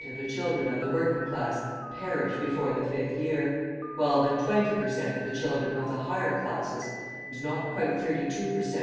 of the children of the working class perish before the fifth year, while but twenty per cent. of the children of the higher classes, and not quite thirty two per cent.